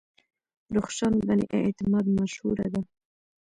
رخشان بني اعتماد مشهوره ده.